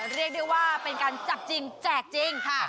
เรียกได้ว่าเป็นการจับจริงแจกจริงค่ะ